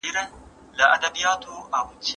يتيم ته د مال ورسپارل فرض دي.